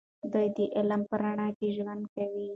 دوی د علم په رڼا کې ژوند کوي.